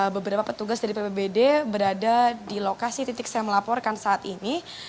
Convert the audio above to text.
beberapa petugas dari ppbd berada di lokasi titik saya melaporkan saat ini